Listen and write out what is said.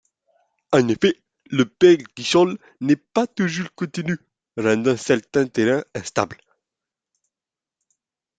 En effet, le pergélisol n'est pas toujours continu, rendant certains terrains instables.